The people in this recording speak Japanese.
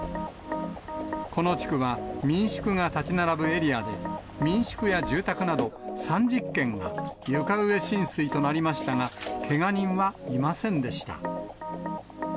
この地区は、民宿が建ち並ぶエリアで民宿や住宅など３０軒が床上浸水となりましたが、けが人はいませんでした。